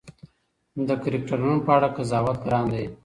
د کرکټرونو په اړه قضاوت ګران دی.